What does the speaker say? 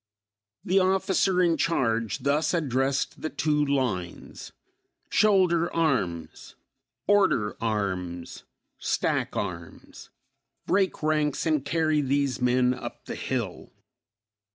The officer in charge thus addressed the two lines: "Shoulder arms!" "Order arms!" "Stack arms!" "Break ranks and carry these men up the hill!"